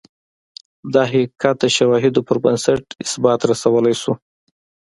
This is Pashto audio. دا حقیقت د شواهدو پربنسټ اثبات رسولای شو.